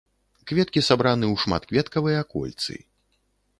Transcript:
Кветкі сабраны ў шматкветкавыя кольцы.